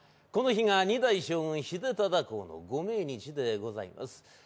この日が２代将軍秀忠公の御命日でございます。